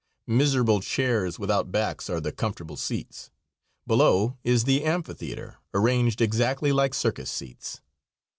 Miserable chairs without backs are the comfortable seats. Below is the amphitheater, arranged exactly like circus seats.